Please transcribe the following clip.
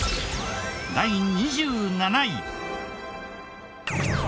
第２７位。